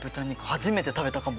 初めて食べたかも。